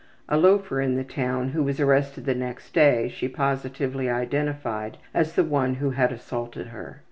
A loafer in the town, who was arrested the next day, she positively identified as the one who had assaulted her.